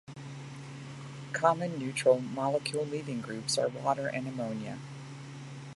Common neutral molecule leaving groups are water and ammonia.